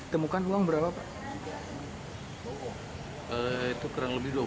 temukan uang berapa pak